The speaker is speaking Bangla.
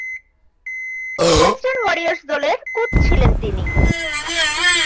ওয়েস্টার্ন ওয়ারিয়র্স দলের কোচ ছিলেন তিনি।